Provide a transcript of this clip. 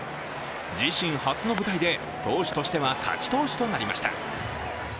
自身初の舞台で投手としては勝ち投手となりました。